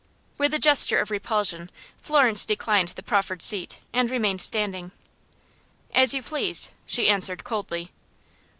With a gesture of repulsion Florence declined the proffered seat, and remained standing. "As you please," she answered, coldly.